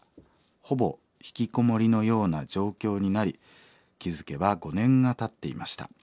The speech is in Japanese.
ほぼひきこもりのような状況になり気付けば５年がたっていました。